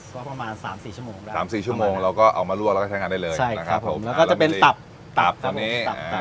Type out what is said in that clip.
ก็ประมาณสามสี่ชั่วโมงได้สามสี่ชั่วโมงเราก็เอามาลวกแล้วก็ใช้งานได้เลยใช่นะครับผมแล้วก็จะเป็นตับตับนี้ตับตับ